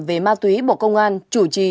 về ma túy bộ công an chủ trì